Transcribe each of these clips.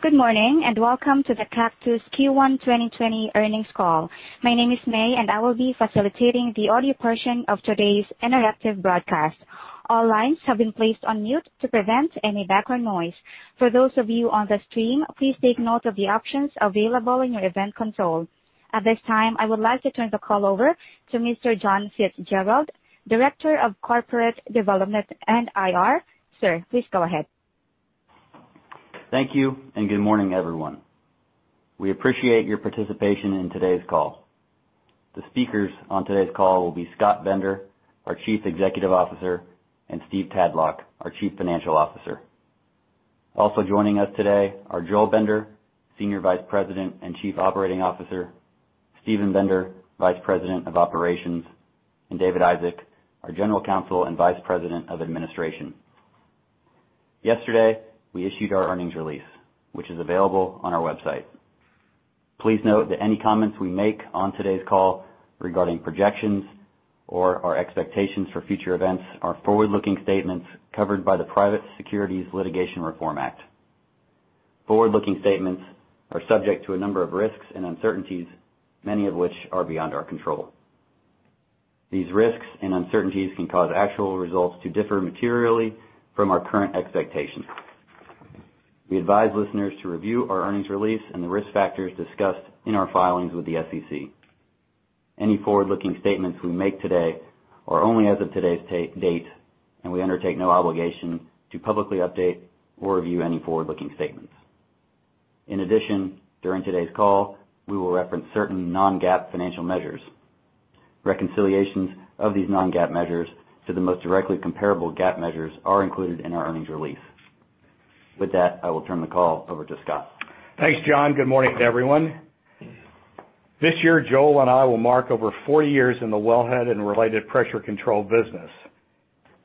Good morning, and welcome to the Cactus Q1 2020 earnings call. My name is Mei, and I will be facilitating the audio portion of today's interactive broadcast. All lines have been placed on mute to prevent any background noise. For those of you on the stream, please take note of the options available in your event console. At this time, I would like to turn the call over to Mr. John Fitzgerald, Director of Corporate Development and IR. Sir, please go ahead. Thank you, and good morning, everyone. We appreciate your participation in today's call. The speakers on today's call will be Scott Bender, our Chief Executive Officer, and Steve Tadlock, our Chief Financial Officer. Also joining us today are Joel Bender, Senior Vice President and Chief Operating Officer, Steven Bender, Vice President of Operations, and David Isaac, our General Counsel and Vice President of Administration. Yesterday, we issued our earnings release, which is available on our website. Please note that any comments we make on today's call regarding projections or our expectations for future events are forward-looking statements covered by the Private Securities Litigation Reform Act. Forward-looking statements are subject to a number of risks and uncertainties, many of which are beyond our control. These risks and uncertainties can cause actual results to differ materially from our current expectations. We advise listeners to review our earnings release and the risk factors discussed in our filings with the SEC. Any forward-looking statements we make today are only as of today's date, and we undertake no obligation to publicly update or review any forward-looking statements. In addition, during today's call, we will reference certain non-GAAP financial measures. Reconciliations of these non-GAAP measures to the most directly comparable GAAP measures are included in our earnings release. With that, I will turn the call over to Scott. Thanks, John. Good morning, everyone. This year, Joel and I will mark over 40 years in the wellhead and related pressure control business,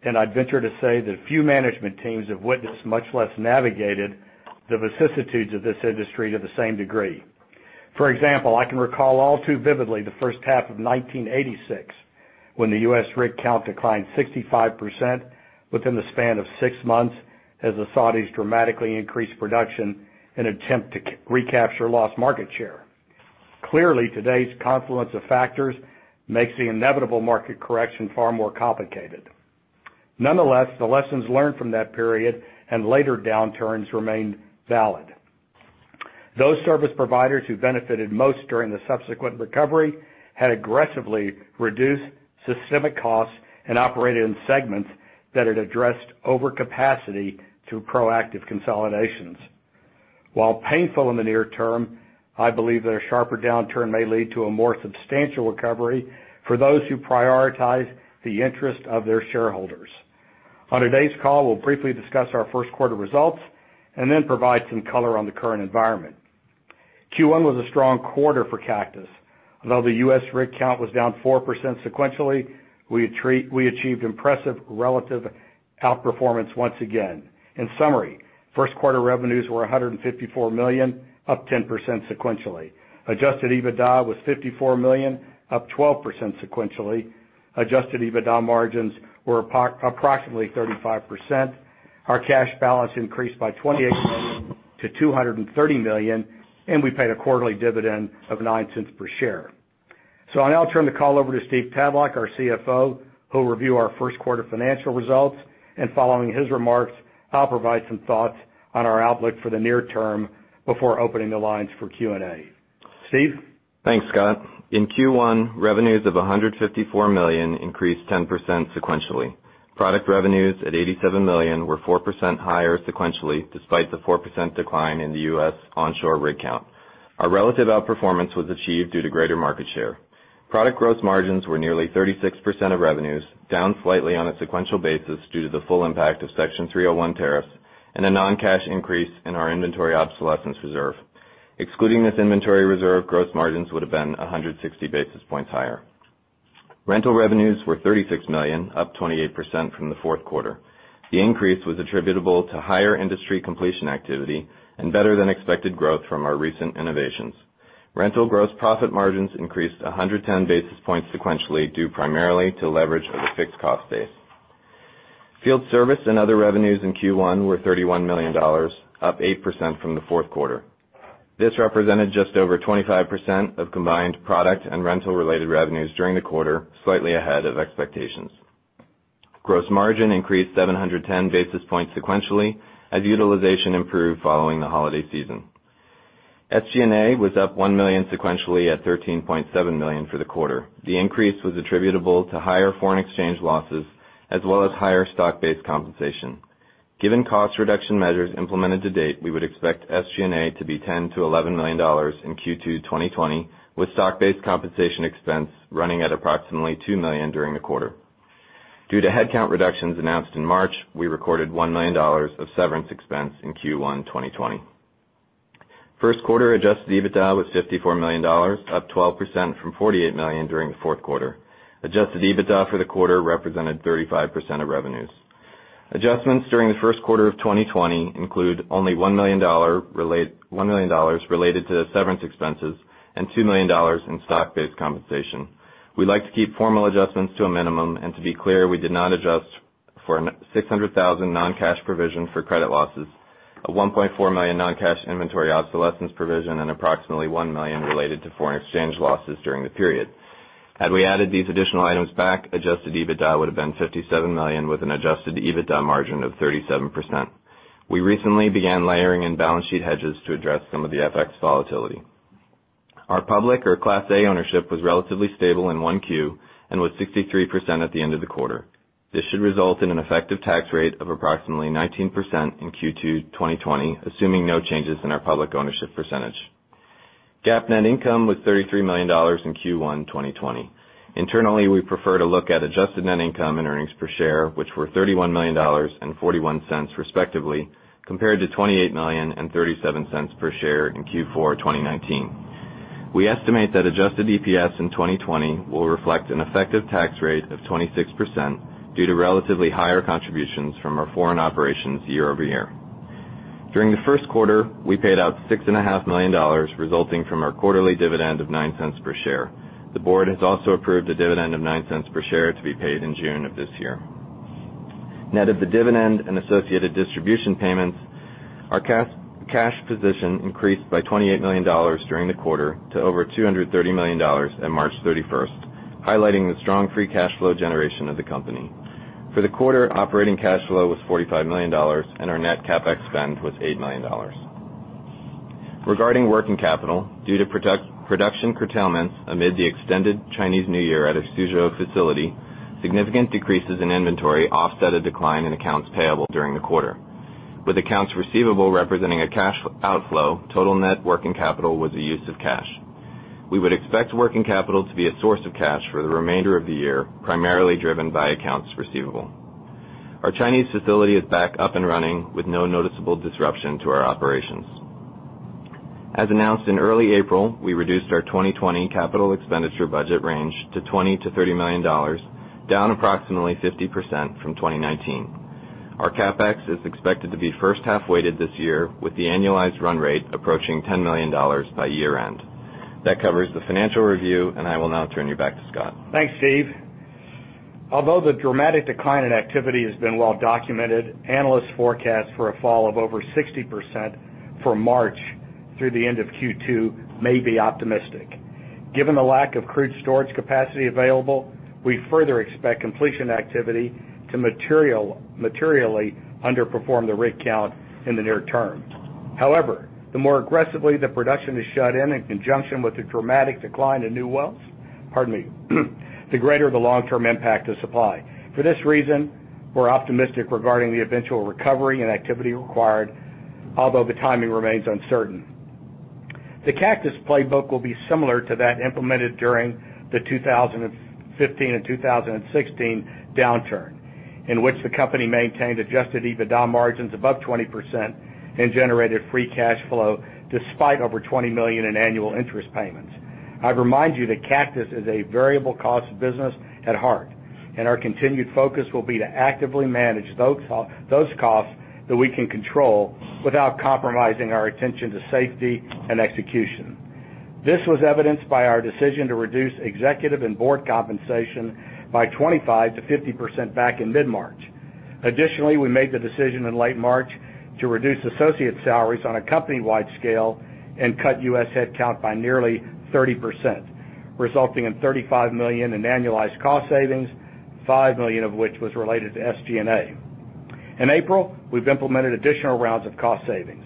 and I'd venture to say that few management teams have witnessed, much less navigated, the vicissitudes of this industry to the same degree. For example, I can recall all too vividly the first half of 1986, when the U.S. rig count declined 65% within the span of six months as the Saudis dramatically increased production in an attempt to recapture lost market share. Clearly, today's confluence of factors makes the inevitable market correction far more complicated. Nonetheless, the lessons learned from that period and later downturns remain valid. Those service providers who benefited most during the subsequent recovery had aggressively reduced systemic costs and operated in segments that had addressed overcapacity through proactive consolidations. While painful in the near term, I believe that a sharper downturn may lead to a more substantial recovery for those who prioritize the interest of their shareholders. On today's call, we'll briefly discuss our first quarter results and then provide some color on the current environment. Q1 was a strong quarter for Cactus. Although the U.S. rig count was down 4% sequentially, we achieved impressive relative outperformance once again. In summary, first quarter revenues were $154 million, up 10% sequentially. Adjusted EBITDA was $54 million, up 12% sequentially. Adjusted EBITDA margins were approximately 35%. Our cash balance increased by $28 million to $230 million, and we paid a quarterly dividend of $0.09 per share. I'll now turn the call over to Steve Tadlock, our CFO, who'll review our first quarter financial results, and following his remarks, I'll provide some thoughts on our outlook for the near term before opening the lines for Q&A. Steve? Thanks, Scott. In Q1, revenues of $154 million increased 10% sequentially. Product revenues at $87 million were 4% higher sequentially, despite the 4% decline in the U.S. onshore rig count. Our relative outperformance was achieved due to greater market share. Product gross margins were nearly 36% of revenues, down slightly on a sequential basis due to the full impact of Section 301 tariffs and a non-cash increase in our inventory obsolescence reserve. Excluding this inventory reserve, gross margins would have been 160 basis points higher. Rental revenues were $36 million, up 28% from the fourth quarter. The increase was attributable to higher industry completion activity and better than expected growth from our recent innovations. Rental gross profit margins increased 110 basis points sequentially, due primarily to leverage of a fixed cost base. Field service and other revenues in Q1 were $31 million, up 8% from the fourth quarter. This represented just over 25% of combined product and rental-related revenues during the quarter, slightly ahead of expectations. Gross margin increased 710 basis points sequentially as utilization improved following the holiday season. SG&A was up $1 million sequentially at $13.7 million for the quarter. The increase was attributable to higher foreign exchange losses as well as higher stock-based compensation. Given cost reduction measures implemented to date, we would expect SG&A to be $10 million to $11 million in Q2 2020, with stock-based compensation expense running at approximately $2 million during the quarter. Due to headcount reductions announced in March, we recorded $1 million of severance expense in Q1 2020. First quarter adjusted EBITDA was $54 million, up 12% from $48 million during the fourth quarter. Adjusted EBITDA for the quarter represented 35% of revenues. Adjustments during the first quarter of 2020 include only $1 million related to the severance expenses and $2 million in stock-based compensation. We like to keep formal adjustments to a minimum. To be clear, we did not adjust for $600,000 non-cash provision for credit losses, a $1.4 million non-cash inventory obsolescence provision, and approximately $1 million related to foreign exchange losses during the period. Had we added these additional items back, adjusted EBITDA would have been $57 million, with an adjusted EBITDA margin of 37%. We recently began layering in balance sheet hedges to address some of the FX volatility. Our public, or Class A ownership, was relatively stable in 1Q and was 63% at the end of the quarter. This should result in an effective tax rate of approximately 19% in Q2 2020, assuming no changes in our public ownership percentage. GAAP net income was $33 million in Q1 2020. Internally, we prefer to look at adjusted net income and earnings per share, which were $31 million and $0.41 respectively, compared to $28 million and $0.37 per share in Q4 2019. We estimate that adjusted EPS in 2020 will reflect an effective tax rate of 26% due to relatively higher contributions from our foreign operations year-over-year. During the first quarter, we paid out $6.5 million, resulting from our quarterly dividend of $0.09 per share. The board has also approved a dividend of $0.09 per share to be paid in June of this year. Net of the dividend and associated distribution payments, our cash position increased by $28 million during the quarter to over $230 million in March 31st, highlighting the strong free cash flow generation of the company. For the quarter, operating cash flow was $45 million, and our net CapEx spend was $8 million. Regarding working capital, due to production curtailments amid the extended Chinese New Year at its Suzhou facility, significant decreases in inventory offset a decline in accounts payable during the quarter. With accounts receivable representing a cash outflow, total net working capital was a use of cash. We would expect working capital to be a source of cash for the remainder of the year, primarily driven by accounts receivable. Our Chinese facility is back up and running with no noticeable disruption to our operations. As announced in early April, we reduced our 2020 capital expenditure budget range to $20 million-$30 million, down approximately 50% from 2019. Our CapEx is expected to be first half-weighted this year, with the annualized run rate approaching $10 million by year-end. That covers the financial review, I will now turn you back to Scott. Thanks, Steve. Although the dramatic decline in activity has been well documented, analysts forecast for a fall of over 60% for March through the end of Q2 may be optimistic. Given the lack of crude storage capacity available, we further expect completion activity to materially underperform the rig count in the near term. The more aggressively the production is shut in conjunction with the dramatic decline in new wells, pardon me the greater the long-term impact to supply. For this reason, we're optimistic regarding the eventual recovery and activity required, although the timing remains uncertain. The Cactus playbook will be similar to that implemented during the 2015 and 2016 downturn, in which the company maintained adjusted EBITDA margins above 20% and generated free cash flow despite over $20 million in annual interest payments. I'd remind you that Cactus is a variable cost business at heart, and our continued focus will be to actively manage those costs that we can control without compromising our attention to safety and execution. This was evidenced by our decision to reduce executive and board compensation by 25%-50% back in mid-March. We made the decision in late March to reduce associate salaries on a company-wide scale and cut U.S. headcount by nearly 30%, resulting in $35 million in annualized cost savings, $5 million of which was related to SG&A. In April, we've implemented additional rounds of cost savings.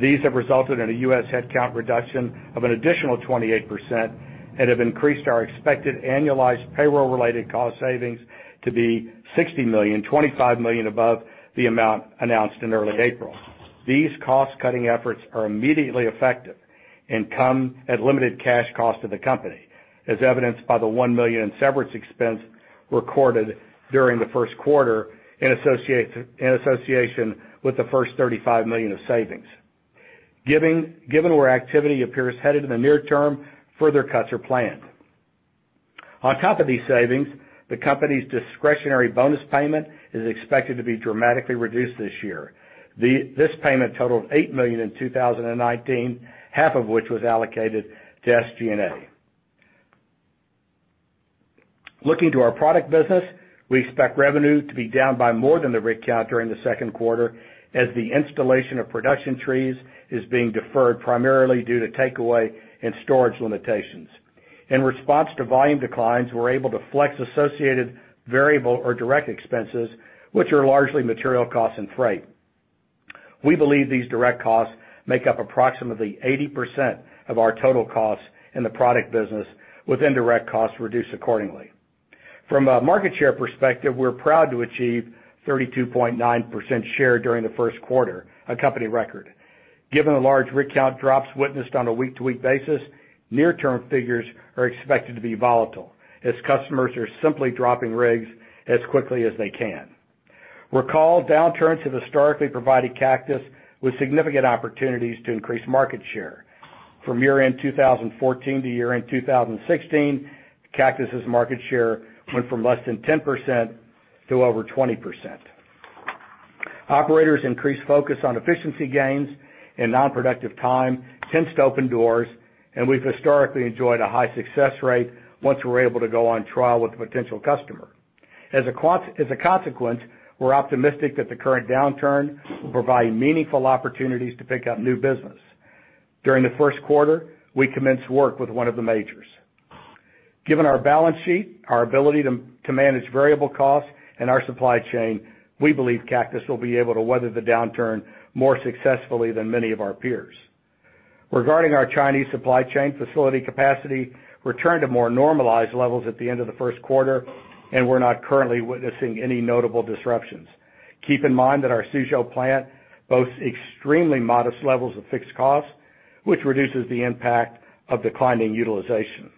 These have resulted in a U.S. headcount reduction of an additional 28% and have increased our expected annualized payroll-related cost savings to be $60 million, $25 million above the amount announced in early April. These cost-cutting efforts are immediately effective and come at limited cash cost to the company, as evidenced by the $1 million in severance expense recorded during the first quarter in association with the first $35 million of savings. Given where activity appears headed in the near term, further cuts are planned. On top of these savings, the company's discretionary bonus payment is expected to be dramatically reduced this year. This payment totaled $8 million in 2019, half of which was allocated to SG&A. Looking to our product business, we expect revenue to be down by more than the rig count during the second quarter as the installation of production trees is being deferred primarily due to takeaway and storage limitations. In response to volume declines, we're able to flex associated variable or direct expenses, which are largely material costs and freight. We believe these direct costs make up approximately 80% of our total costs in the product business, with indirect costs reduced accordingly. From a market share perspective, we're proud to achieve 32.9% share during the first quarter, a company record. Given the large rig count drops witnessed on a week-to-week basis, near-term figures are expected to be volatile as customers are simply dropping rigs as quickly as they can. Recall downturns have historically provided Cactus with significant opportunities to increase market share. From year-end 2014 to year-end 2016, Cactus's market share went from less than 10% to over 20%. Operators increased focus on efficiency gains and non-productive time tends to open doors, and we've historically enjoyed a high success rate once we're able to go on trial with a potential customer. As a consequence, we're optimistic that the current downturn will provide meaningful opportunities to pick up new business. During the first quarter, we commenced work with one of the majors. Given our balance sheet, our ability to manage variable costs, and our supply chain, we believe Cactus will be able to weather the downturn more successfully than many of our peers. Regarding our Chinese supply chain facility capacity, we returned to more normalized levels at the end of the first quarter, and we're not currently witnessing any notable disruptions. Keep in mind that our Suzhou plant boasts extremely modest levels of fixed costs, which reduces the impact of declining utilization.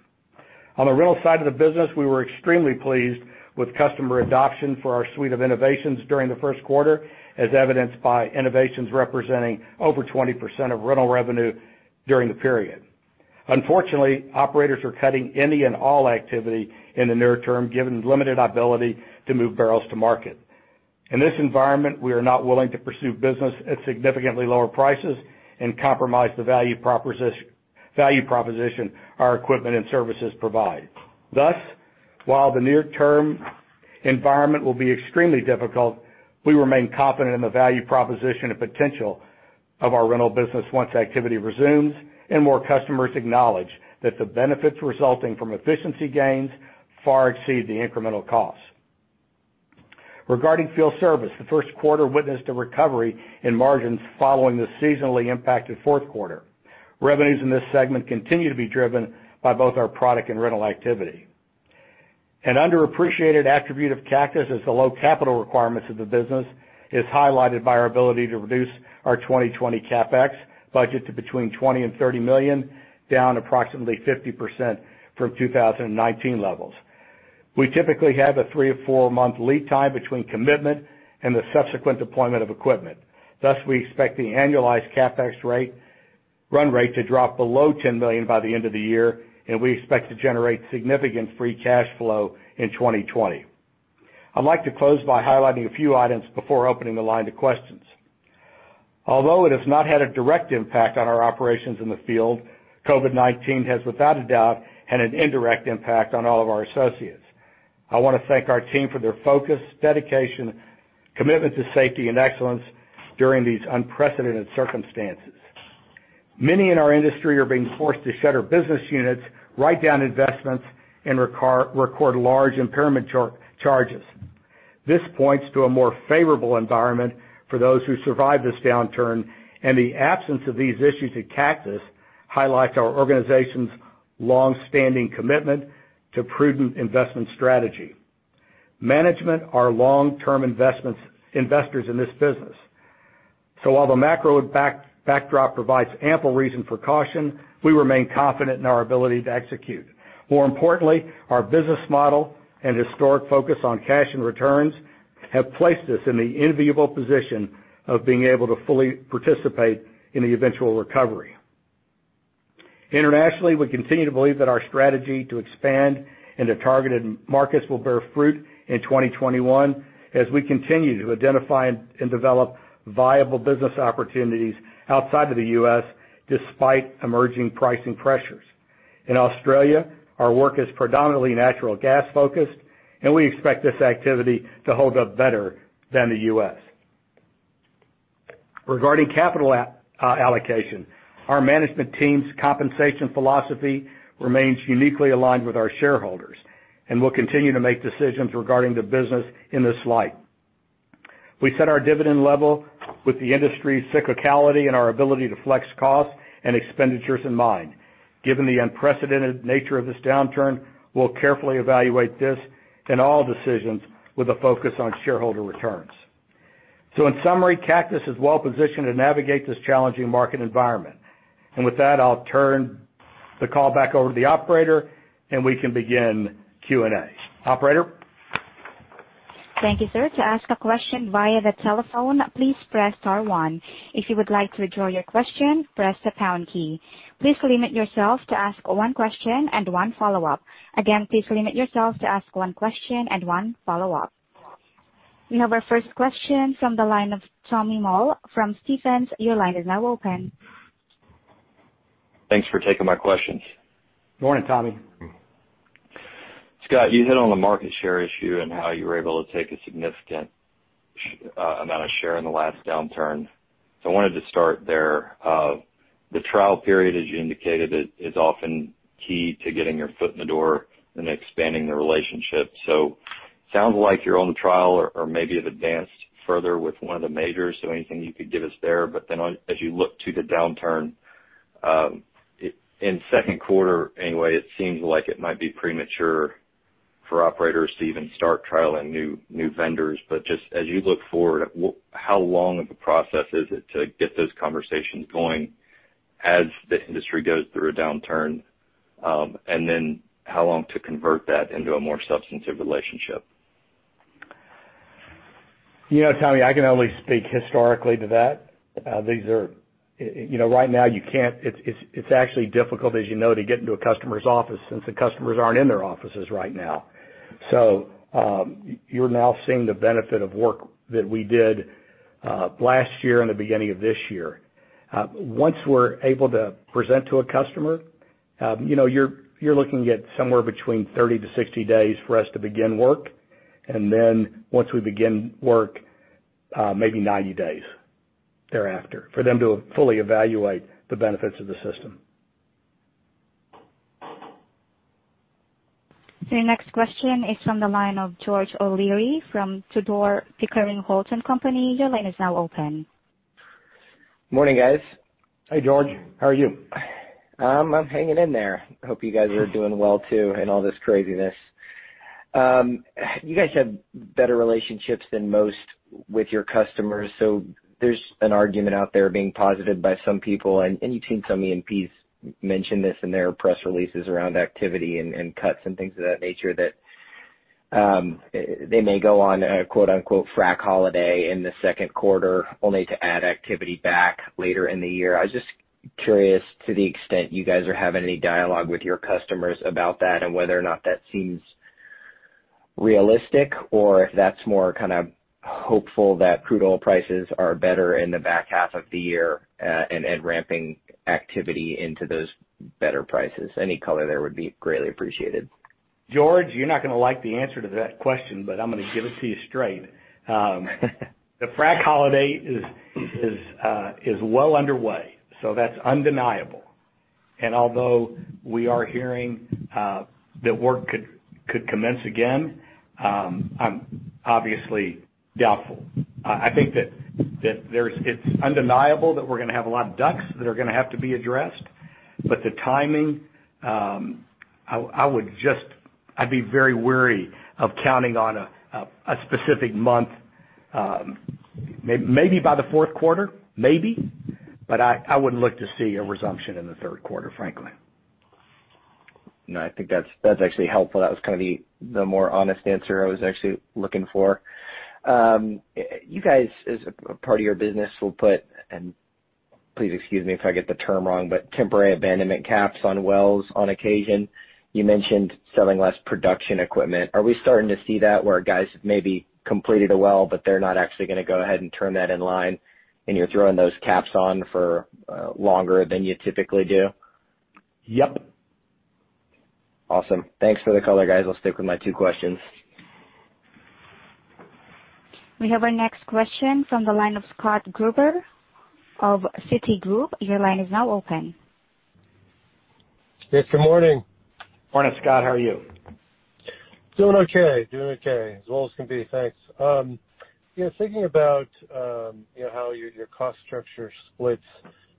On the rental side of the business, we were extremely pleased with customer adoption for our suite of innovations during the first quarter, as evidenced by innovations representing over 20% of rental revenue during the period. Unfortunately, operators are cutting any and all activity in the near term, given limited ability to move barrels to market. In this environment, we are not willing to pursue business at significantly lower prices and compromise the value proposition our equipment and services provide. Thus, while the near-term environment will be extremely difficult, we remain confident in the value proposition and potential of our rental business once activity resumes and more customers acknowledge that the benefits resulting from efficiency gains far exceed the incremental costs. Regarding field service, the first quarter witnessed a recovery in margins following the seasonally impacted fourth quarter. Revenues in this segment continue to be driven by both our product and rental activity. An underappreciated attribute of Cactus is the low capital requirements of the business. It is highlighted by our ability to reduce our 2020 CapEx budget to between $20 million and $30 million, down approximately 50% from 2019 levels. We typically have a three or four-month lead time between commitment and the subsequent deployment of equipment. Thus, we expect the annualized CapEx run rate to drop below $10 million by the end of the year, and we expect to generate significant free cash flow in 2020. I'd like to close by highlighting a few items before opening the line to questions. Although it has not had a direct impact on our operations in the field, COVID-19 has, without a doubt, had an indirect impact on all of our associates. I want to thank our team for their focus, dedication, commitment to safety and excellence during these unprecedented circumstances. Many in our industry are being forced to shutter business units, write down investments, and record large impairment charges. This points to a more favorable environment for those who survive this downturn. The absence of these issues at Cactus highlights our organization's long-standing commitment to prudent investment strategy. Management are long-term investors in this business. While the macro backdrop provides ample reason for caution, we remain confident in our ability to execute. More importantly, our business model and historic focus on cash and returns have placed us in the enviable position of being able to fully participate in the eventual recovery. Internationally, we continue to believe that our strategy to expand into targeted markets will bear fruit in 2021 as we continue to identify and develop viable business opportunities outside of the U.S., despite emerging pricing pressures. In Australia, our work is predominantly natural gas-focused, we expect this activity to hold up better than the U.S. Regarding capital allocation, our management team's compensation philosophy remains uniquely aligned with our shareholders, and we'll continue to make decisions regarding the business in this light. We set our dividend level with the industry's cyclicality and our ability to flex costs and expenditures in mind. Given the unprecedented nature of this downturn, we'll carefully evaluate this and all decisions with a focus on shareholder returns. In summary, Cactus is well-positioned to navigate this challenging market environment. With that, I'll turn the call back over to the operator and we can begin Q&A. Operator? Thank you, sir. To ask a question via the telephone, please press star one. If you would like to withdraw your question, press the pound key. Please limit yourself to ask one question and one follow-up. Again, please limit yourself to ask one question and one follow-up. We have our first question from the line of Tommy Moll from Stephens. Your line is now open. Thanks for taking my questions. Morning, Tommy. Scott, you hit on the market share issue and how you were able to take a significant amount of share in the last downturn. I wanted to start there. The trial period, as you indicated, is often key to getting your foot in the door and expanding the relationship. Sounds like you're on the trial or maybe have advanced further with one of the majors, so anything you could give us there? As you look to the downturn, in second quarter anyway, it seems like it might be premature for operators to even start trialing new vendors. Just as you look forward, how long of a process is it to get those conversations going as the industry goes through a downturn? How long to convert that into a more substantive relationship? Tommy, I can only speak historically to that. Right now, it's actually difficult, as you know, to get into a customer's office since the customers aren't in their offices right now. You're now seeing the benefit of work that we did last year and the beginning of this year. Once we're able to present to a customer, you're looking at somewhere between 30-60 days for us to begin work. Once we begin work, maybe 90 days thereafter for them to fully evaluate the benefits of the system. Your next question is from the line of George O'Leary from Tudor, Pickering, Holt & Co. Your line is now open. Morning, guys. Hey, George. How are you? I'm hanging in there. Hope you guys are doing well, too, in all this craziness. You guys have better relationships than most with your customers, so there's an argument out there being posited by some people, and you've seen some E&Ps mention this in their press releases around activity and cuts and things of that nature, that they may go on a quote, unquote, "frac holiday" in the second quarter, only to add activity back later in the year. I was just curious to the extent you guys are having any dialogue with your customers about that and whether or not that seems realistic or if that's more kind of hopeful that crude oil prices are better in the back half of the year and ramping activity into those better prices. Any color there would be greatly appreciated. George, you're not going to like the answer to that question, but I'm going to give it to you straight. The frac holiday is well underway, so that's undeniable. Although we are hearing that work could commence again, I'm obviously doubtful. I think that it's undeniable that we're going to have a lot of DUCs that are going to have to be addressed, but the timing, I'd be very wary of counting on a specific month. Maybe by the fourth quarter, maybe, but I wouldn't look to see a resumption in the third quarter, frankly. I think that's actually helpful. That was the more honest answer I was actually looking for. You guys, as a part of your business, will put, and please excuse me if I get the term wrong, but temporary abandonment caps on wells on occasion. You mentioned selling less production equipment. Are we starting to see that where guys maybe completed a well, but they're not actually going to go ahead and turn that in line, and you're throwing those caps on for longer than you typically do? Yep. Awesome. Thanks for the color, guys. I'll stick with my two questions. We have our next question from the line of Scott Gruber of Citigroup. Your line is now open. Yes, good morning. Morning, Scott. How are you? Doing okay. As well as can be. Thanks. Thinking about how your cost structure splits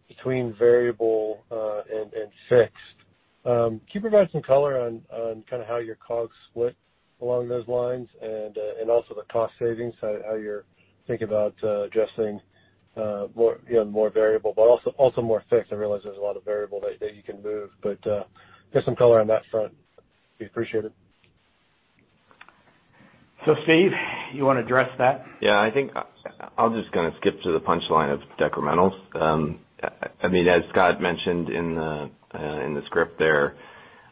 between variable and fixed. Can you provide some color on how your costs split along those lines and also the cost savings, how you're thinking about adjusting more variable but also more fixed? I realize there's a lot of variable that you can move, but just some color on that front would be appreciated. Steve, you want to address that? Yeah, I think I'm just going to skip to the punchline of decrementals. As Scott mentioned in the script there,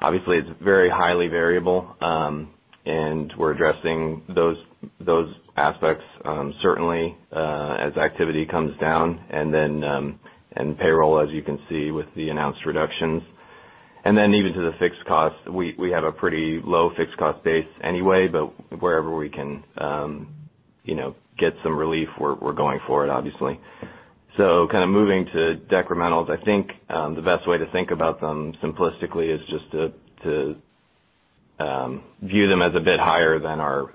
obviously it's very highly variable, and we're addressing those aspects certainly as activity comes down. Payroll, as you can see with the announced reductions. Even to the fixed cost, we have a pretty low fixed cost base anyway, but wherever we can get some relief, we're going for it, obviously. Moving to decrementals, I think the best way to think about them simplistically is just to view them as a bit higher than our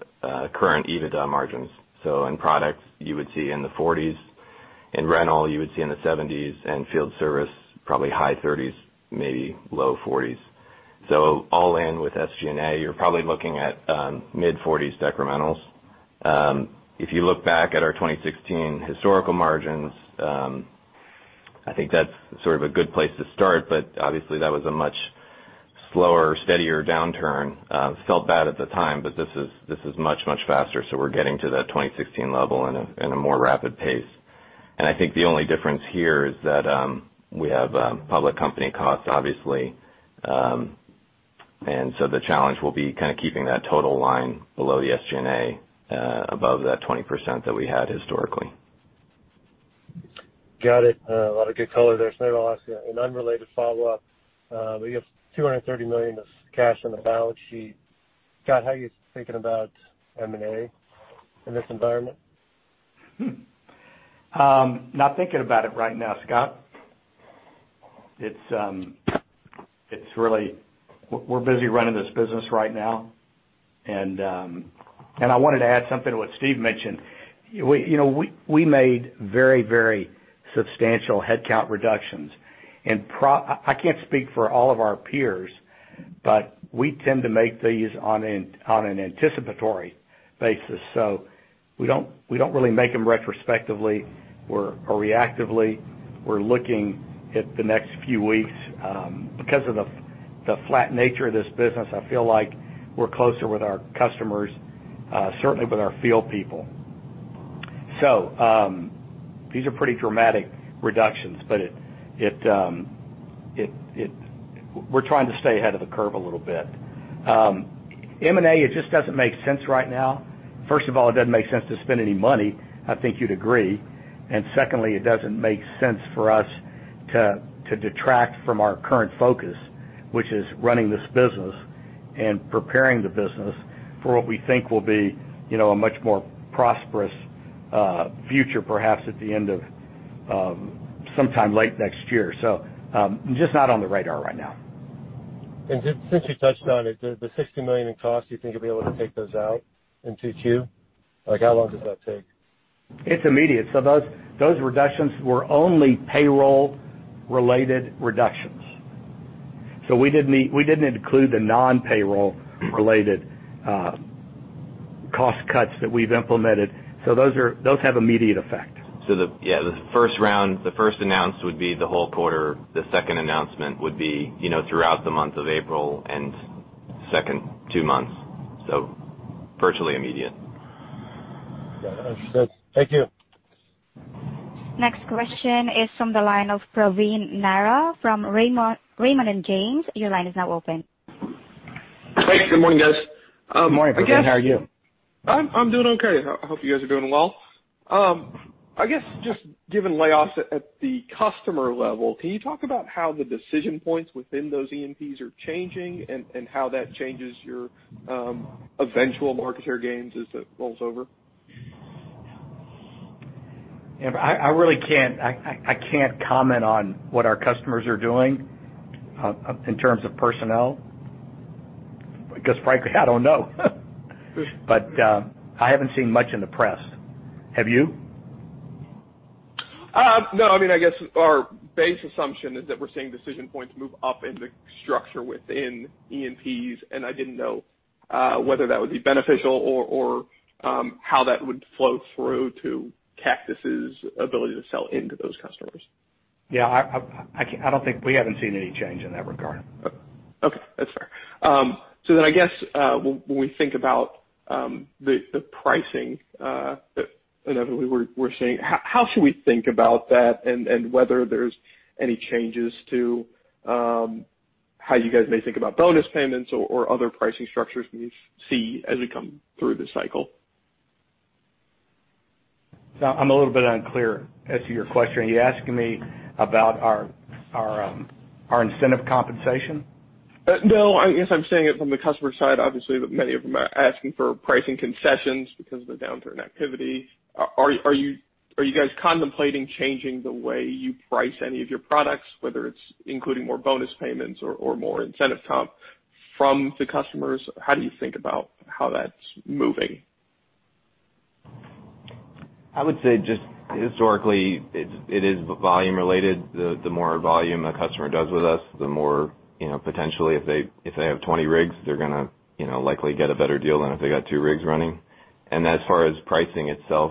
current EBITDA margins. In products, you would see in the 40s, in rental, you would see in the 70s, and field service, probably high 30s, maybe low 40s. All in with SG&A, you're probably looking at mid-40s decrementals. If you look back at our 2016 historical margins, I think that's sort of a good place to start. Obviously, that was a much slower, steadier downturn. Felt bad at the time. This is much, much faster. We're getting to that 2016 level in a more rapid pace. I think the only difference here is that we have public company costs, obviously. The challenge will be keeping that total line below the SG&A above that 20% that we had historically. Got it. A lot of good color there. I'll ask you an unrelated follow-up. You have $230 million of cash on the balance sheet. Scott, how are you thinking about M&A in this environment? Not thinking about it right now, Scott. We're busy running this business right now. I wanted to add something to what Steve mentioned. We made very substantial headcount reductions. I can't speak for all of our peers, but we tend to make these on an anticipatory basis. We don't really make them retrospectively or reactively. We're looking at the next few weeks. Because of the flat nature of this business, I feel like we're closer with our customers. Certainly with our field people. These are pretty dramatic reductions, but we're trying to stay ahead of the curve a little bit. M&A, it just doesn't make sense right now. First of all, it doesn't make sense to spend any money. I think you'd agree. Secondly, it doesn't make sense for us to detract from our current focus, which is running this business and preparing the business for what we think will be a much more prosperous future, perhaps at the end of sometime late next year. Just not on the radar right now. Since you touched on it, the $60 million in costs, do you think you'll be able to take those out in 2Q? How long does that take? It's immediate. Those reductions were only payroll-related reductions. We didn't include the non-payroll-related cost cuts that we've implemented. Those have immediate effect. The, yeah, the first round, the first announce would be the whole quarter. The second announcement would be throughout the month of April and second two months. Virtually immediate. Yeah, that's good. Thank you. Next question is from the line of Praveen Narra from Raymond James. Your line is now open. Hey, good morning, guys. Good morning, Praveen. How are you? I'm doing okay. I hope you guys are doing well. I guess just given layoffs at the customer level, can you talk about how the decision points within those E&Ps are changing and how that changes your eventual market share gains as it rolls over? Yeah. I really can't comment on what our customers are doing, in terms of personnel, because frankly, I don't know. I haven't seen much in the press. Have you? No. I guess our base assumption is that we're seeing decision points move up in the structure within E&Ps, I didn't know whether that would be beneficial or how that would flow through to Cactus' ability to sell into those customers. Yeah. We haven't seen any change in that regard. Okay. That's fair. I guess, when we think about the pricing inevitably we're seeing, how should we think about that and whether there's any changes to how you guys may think about bonus payments or other pricing structures you see as we come through this cycle? I'm a little bit unclear as to your question. Are you asking me about our incentive compensation? No. I guess I'm saying it from the customer side, obviously, but many of them are asking for pricing concessions because of the downturn activity. Are you guys contemplating changing the way you price any of your products, whether it's including more bonus payments or more incentive comp from the customers? How do you think about how that's moving? I would say just historically it is volume related. The more volume a customer does with us, the more potentially if they have 20 rigs, they're gonna likely get a better deal than if they got two rigs running. As far as pricing itself,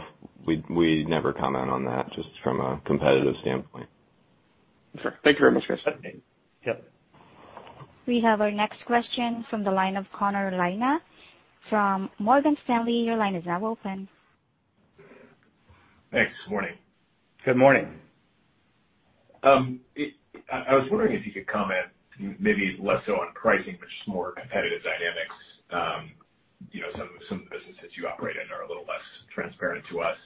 we never comment on that just from a competitive standpoint. Sure. Thank you very much, guys. Yep. We have our next question from the line of Connor Lynagh from Morgan Stanley. Your line is now open. Thanks. Morning. Good morning. I was wondering if you could comment maybe less so on pricing, but just more competitive dynamics. Some of the businesses you operate in are a little less transparent to us.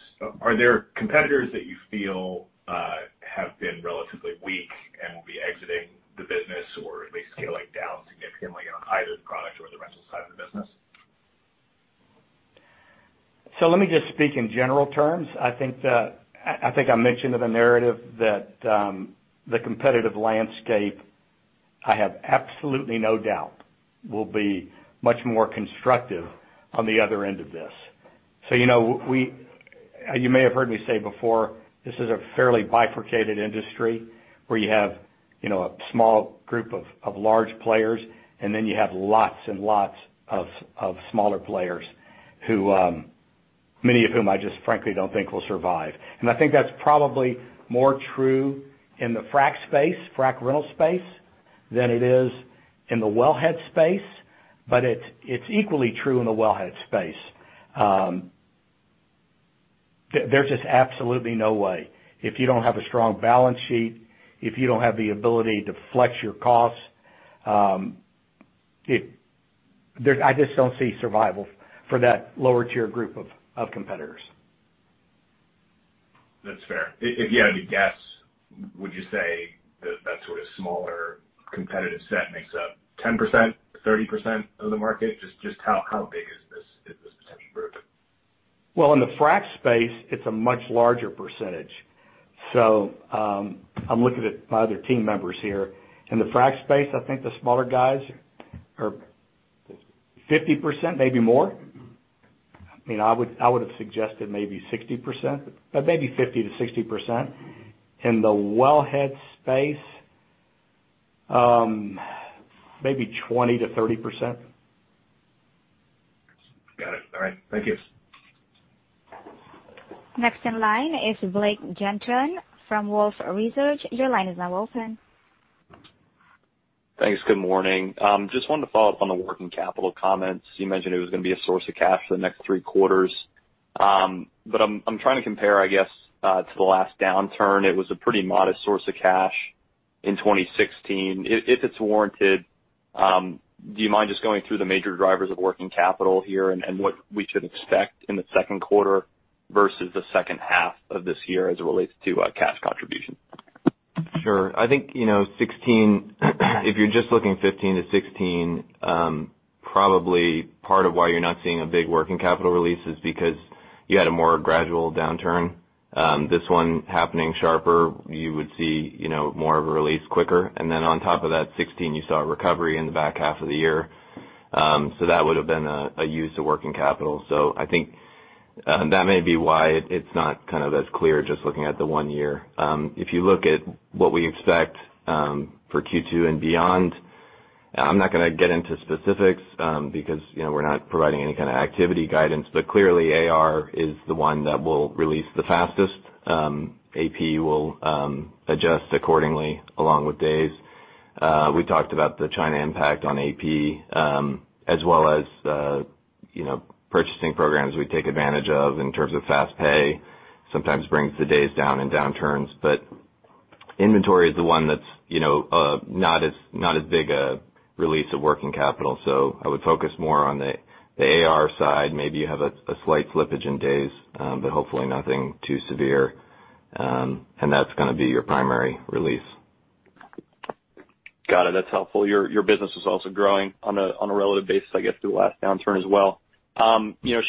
Are there competitors that you feel have been relatively weak and will be exiting the business or at least scaling down significantly on either the product or the rental side of the business? Let me just speak in general terms. I think I mentioned in the narrative that the competitive landscape, I have absolutely no doubt will be much more constructive on the other end of this. You may have heard me say before, this is a fairly bifurcated industry where you have a small group of large players, and then you have lots and lots of smaller players, many of whom I just frankly don't think will survive. I think that's probably more true in the frac space, frac rental space, than it is in the wellhead space. It's equally true in the wellhead space. There's just absolutely no way if you don't have a strong balance sheet, if you don't have the ability to flex your costs, I just don't see survival for that lower tier group of competitors. That's fair. If you had to guess, would you say that sort of smaller competitive set makes up 10%, 30% of the market? Just how big is this potential group? Well, in the frac space, it's a much larger percentage. I'm looking at my other team members here. In the frac space, I think the smaller guys are 50%, maybe more. I would've suggested maybe 60%, but maybe 50%-60%. In the wellhead space, maybe 20%-30%. Got it. All right. Thank you. Next in line is Blake Gendron from Wolfe Research. Your line is now open. Thanks. Good morning. Just wanted to follow up on the working capital comments. You mentioned it was going to be a source of cash for the next three quarters. I'm trying to compare, I guess, to the last downturn. It was a pretty modest source of cash in 2016. If it's warranted, do you mind just going through the major drivers of working capital here and what we should expect in the second quarter versus the second half of this year as it relates to cash contribution? Sure. I think, if you're just looking 2015 to 2016, probably part of why you're not seeing a big working capital release is because you had a more gradual downturn. This one happening sharper, you would see more of a release quicker. On top of that, 2016, you saw a recovery in the back half of the year. That would've been a use of working capital. I think that may be why it's not kind of as clear just looking at the one year. If you look at what we expect for Q2 and beyond, I'm not going to get into specifics, because we're not providing any kind of activity guidance, but clearly AR is the one that will release the fastest. AP will adjust accordingly along with days. We talked about the China impact on AP, as well as purchasing programs we take advantage of in terms of fast pay sometimes brings the days down in downturns. Inventory is the one that's not as big a release of working capital. I would focus more on the AR side. Maybe you have a slight slippage in days, but hopefully nothing too severe. That's going to be your primary release. Got it. That's helpful. Your business was also growing on a relative basis, I guess, through the last downturn as well.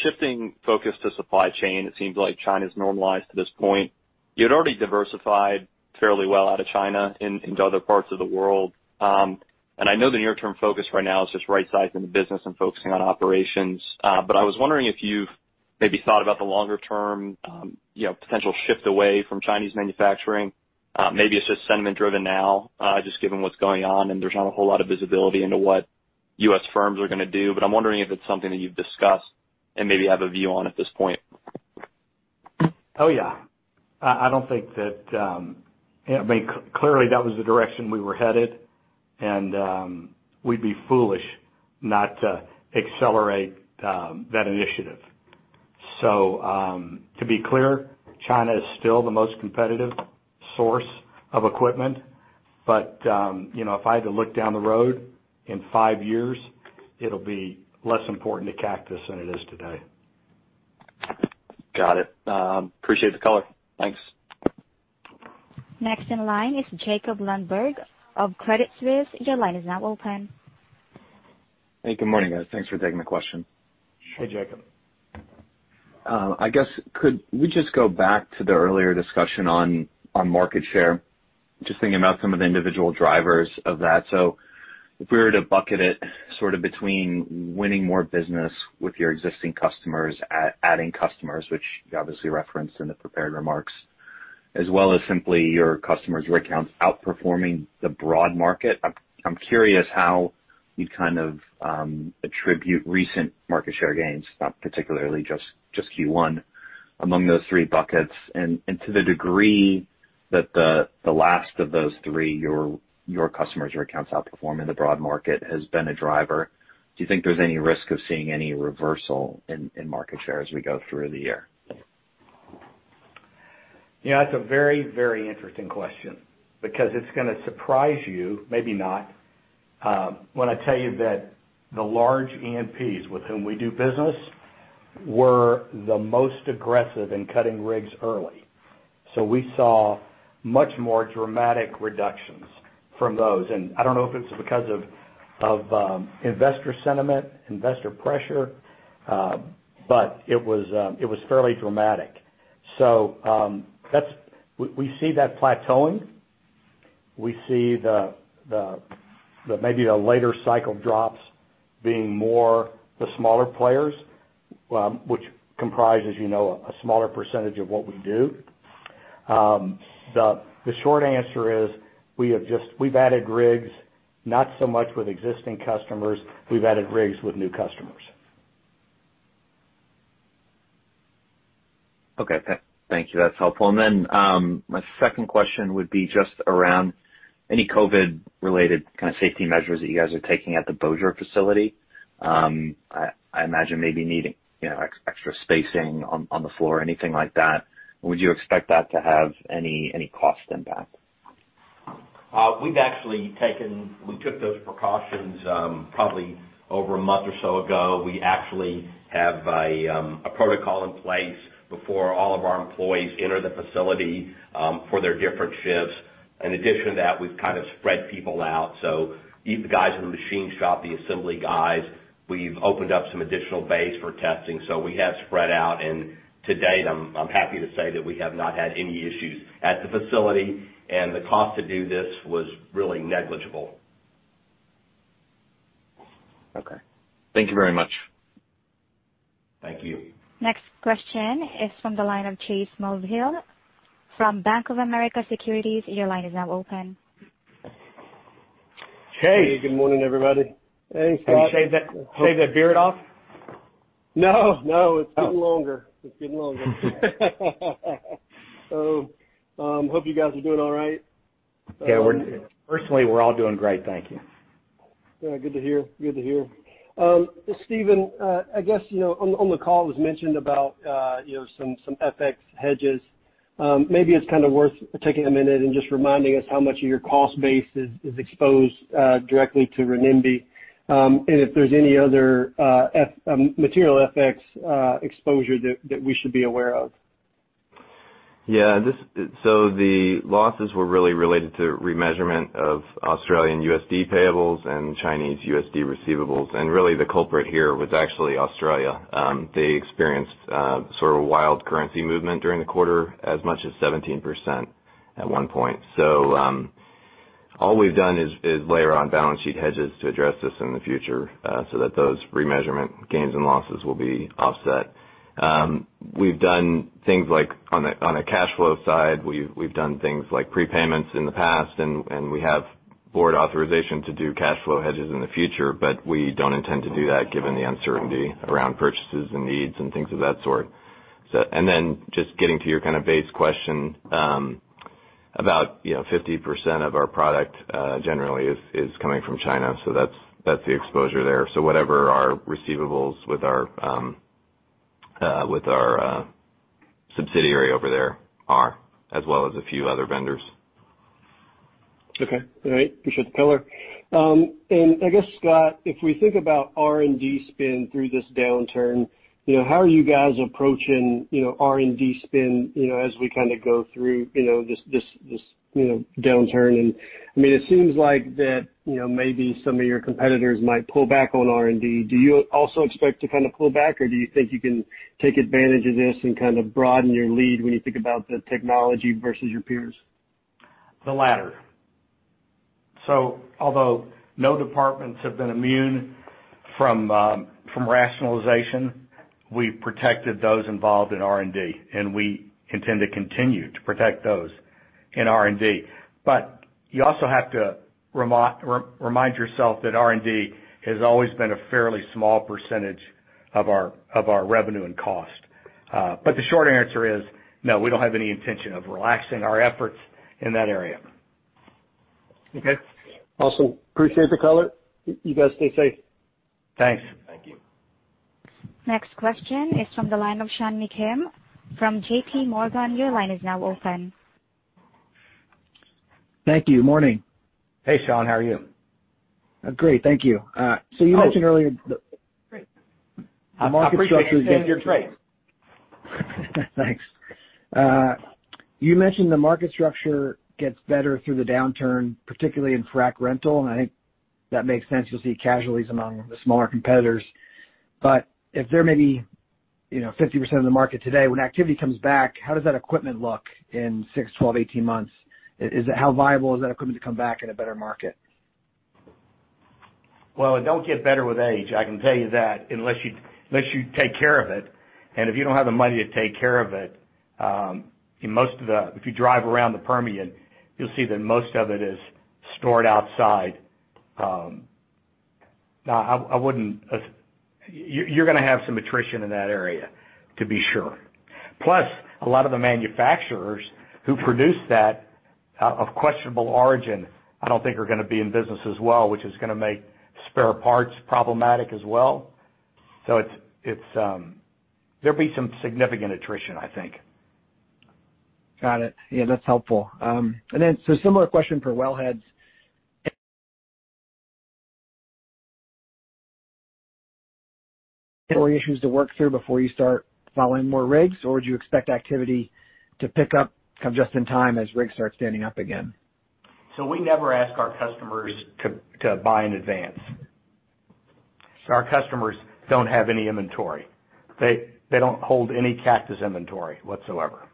Shifting focus to supply chain, it seems like China's normalized to this point. You had already diversified fairly well out of China into other parts of the world. I know the near term focus right now is just right-sizing the business and focusing on operations. I was wondering if you've maybe thought about the longer term potential shift away from Chinese manufacturing. Maybe it's just sentiment driven now, just given what's going on and there's not a whole lot of visibility into what U.S. firms are going to do. I'm wondering if it's something that you've discussed and maybe have a view on at this point. Oh, yeah. Clearly that was the direction we were headed and we'd be foolish not to accelerate that initiative. To be clear, China is still the most competitive source of equipment, but if I had to look down the road, in five years it'll be less important to Cactus than it is today. Got it. Appreciate the color. Thanks. Next in line is Jacob Lundberg of Credit Suisse. Your line is now open. Hey. Good morning, guys. Thanks for taking the question. Hey, Jacob. I guess could we just go back to the earlier discussion on market share? Just thinking about some of the individual drivers of that. If we were to bucket it sort of between winning more business with your existing customers, adding customers, which you obviously referenced in the prepared remarks, as well as simply your customers' rig counts outperforming the broad market. I'm curious how you kind of attribute recent market share gains, not particularly just Q1, among those three buckets. To the degree that the last of those three, your customers, your accounts outperforming the broad market has been a driver, do you think there's any risk of seeing any reversal in market share as we go through the year? Yeah, that's a very, very interesting question because it's going to surprise you, maybe not, when I tell you that the large E&Ps with whom we do business were the most aggressive in cutting rigs early. We saw much more dramatic reductions from those, and I don't know if it's because of investor sentiment, investor pressure, but it was fairly dramatic. We see that plateauing. We see maybe the later cycle drops being more the smaller players, which comprise, as you know, a smaller percentage of what we do. The short answer is we've added rigs, not so much with existing customers. We've added rigs with new customers. Okay. Thank you. That's helpful. My second question would be just around any COVID related kind of safety measures that you guys are taking at the Bossier facility. I imagine maybe needing extra spacing on the floor or anything like that. Would you expect that to have any cost impact? We took those precautions probably over a month or so ago. We actually have a protocol in place before all of our employees enter the facility for their different shifts. In addition to that, we've kind of spread people out. The guys in the machine shop, the assembly guys, we've opened up some additional bays for testing. We have spread out and to date, I'm happy to say that we have not had any issues at the facility and the cost to do this was really negligible. Okay. Thank you very much. Thank you. Next question is from the line of Chase Mulvehill from Bank of America Securities. Your line is now open. Hey. Good morning, everybody. Hey, Chase. Shave that beard off? No, it's getting longer. Hope you guys are doing all right. Yeah. Personally, we're all doing great, thank you. Good to hear. Stephen, I guess, on the call, it was mentioned about some FX hedges. Maybe it's kind of worth taking a minute and just reminding us how much of your cost base is exposed directly to renminbi, and if there's any other material FX exposure that we should be aware of. Yeah. The losses were really related to remeasurement of Australian USD payables and Chinese USD receivables. Really, the culprit here was actually Australia. They experienced sort of a wild currency movement during the quarter, as much as 17% at one point. All we've done is layer on balance sheet hedges to address this in the future, so that those remeasurement gains and losses will be offset. On a cash flow side, we've done things like prepayments in the past, and we have board authorization to do cash flow hedges in the future, but we don't intend to do that given the uncertainty around purchases and needs and things of that sort. Just getting to your kind of base question, about 50% of our product generally is coming from China, so that's the exposure there. Whatever our receivables with our subsidiary over there are, as well as a few other vendors. Okay. All right. Appreciate the color. I guess, Scott, if we think about R&D spend through this downturn, how are you guys approaching R&D spend as we kind of go through this downturn? I mean, it seems like that maybe some of your competitors might pull back on R&D. Do you also expect to kind of pull back, or do you think you can take advantage of this and kind of broaden your lead when you think about the technology versus your peers? The latter. Although no departments have been immune from rationalization, we've protected those involved in R&D, and we intend to continue to protect those in R&D. You also have to remind yourself that R&D has always been a fairly small percentage of our revenue and cost. The short answer is no, we don't have any intention of relaxing our efforts in that area. Okay. Also appreciate the color. You guys stay safe. Thanks. Thank you. Next question is from the line of Sean McKean from JPMorgan. Your line is now open. Thank you. Morning. Hey, Sean. How are you? Great. Thank you. You mentioned earlier the- Oh. I appreciate you saying you're great. Thanks. You mentioned the market structure gets better through the downturn, particularly in frac rental, and I think that makes sense. You'll see casualties among the smaller competitors. If they're maybe 50% of the market today, when activity comes back, how does that equipment look in six, 12, 18 months? How viable is that equipment to come back in a better market? Well, it don't get better with age, I can tell you that, unless you take care of it. If you don't have the money to take care of it, if you drive around the Permian, you'll see that most of it is stored outside. You're gonna have some attrition in that area, to be sure. A lot of the manufacturers who produce that are of questionable origin, I don't think are gonna be in business as well, which is gonna make spare parts problematic as well. There'll be some significant attrition, I think. Got it. Yeah, that's helpful. Similar question for wellheads. Issues to work through before you start following more rigs, or do you expect activity to pick up kind of just in time as rigs start standing up again? We never ask our customers to buy in advance. Our customers don't have any inventory. They don't hold any Cactus inventory whatsoever.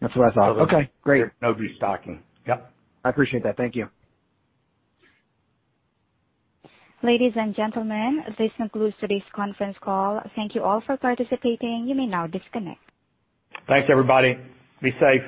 That's what I thought. Okay, great. There's no restocking. Yep. I appreciate that. Thank you. Ladies and gentlemen, this concludes today's conference call. Thank you all for participating. You may now disconnect. Thanks, everybody. Be safe.